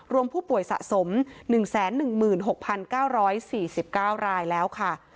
รวมผู้ป่วยสะสม๑๑๖๙๔๙รายแล้วค่ะ